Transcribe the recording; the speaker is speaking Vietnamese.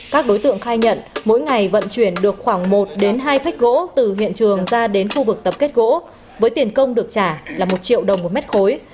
các đối tượng khai nhận mỗi ngày vận chuyển được khoảng một hai phách gỗ từ hiện trường ra đến khu vực tập kết gỗ với tiền công được trả là một triệu đồng một mét khối